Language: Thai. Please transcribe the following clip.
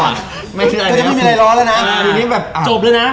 ก็จะไม่มีอะไรล้อแล้วนะ